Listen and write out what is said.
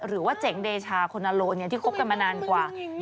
หรือว่าเจ๋งเดชาคอนาโลที่คบกันมานานกว่า